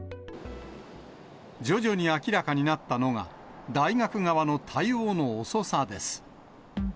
徐々に明らかになったのが、大学側の対応の遅さです。